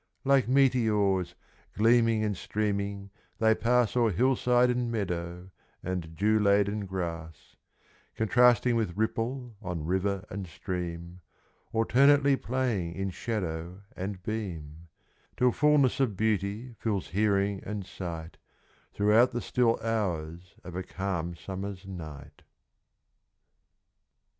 Like meteors, gleaming and streaming, they pass O'er hillside and meadow, and dew laden grass, Contrasting with ripple on river and stream, Alternately playing in shadow and beam, Till fullness of beauty fills hearing and sight Throughout the still hours of a calm summer's night.